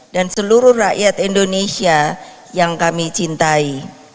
dan seluruh rakyat indonesia yang kami cintai